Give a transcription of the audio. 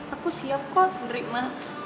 aku siap kok menerima